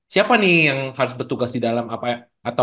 siapa nih yang harus bertugas di dalam apa